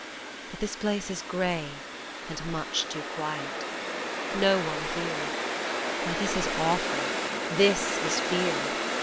But this place is grey, And much too quiet. No one here, Why, this is awful, this is fear